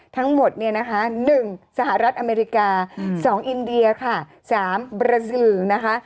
ทั้งหมดเนี่ยนะคะ๑สหรัฐอเมริกา๒อินเดียค่ะ๓บราซิลนะคะ